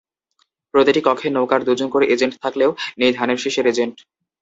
প্রতিটি কক্ষে নৌকার দুজন করে এজেন্ট থাকলেও নেই ধানের শীষের এজেন্ট।